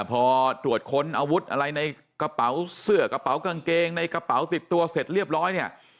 พอตรวจค้นอาวุธอะไรในกระเป๋าเสื้อกระเป๋ากางเกงในกระเป๋าติดตัวเสร็จเรียบร้อยเนี่ย